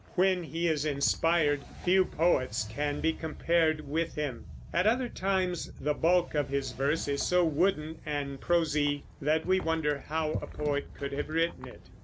When he is inspired, few poets can be compared with him; at other times the bulk of his verse is so wooden and prosy that we wonder how a poet could have written it.